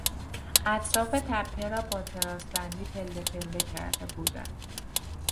اطراف تپه را با تراس بندی پله پله کرده بودند.